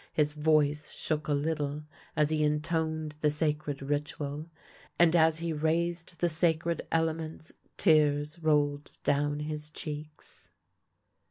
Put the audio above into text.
His voice shook a little as he intoned the sacred ritual, and as he raised the sacred elements tears rolled down his cheeks.